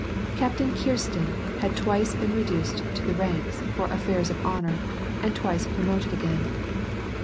Captain Kirsten had twice been reduced to the ranks for " affairs of honor," and twice promoted again.